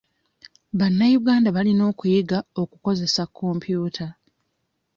Bannayuganda balina okuyiga okukozesa kompyuta.